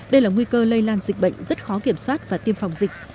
đây là nguy cơ lây lan dịch bệnh rất khó kiểm soát và tiêm phòng dịch